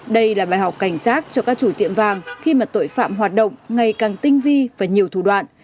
đây là bài học cảnh giác cho các chủ tiệm vàng khi mà tội phạm hoạt động ngày càng tinh vi và nhiều thủ đoạn